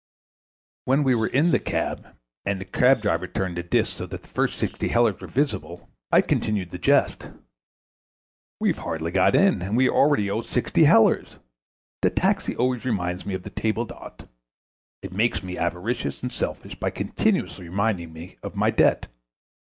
When we were in the cab, and the cab driver turned the disc so that the first sixty hellers were visible, I continued the jest. "We have hardly got in and we already owe sixty hellers. The taxi always reminds me of the table d'hôte. It makes me avaricious and selfish by continuously reminding me of my debt.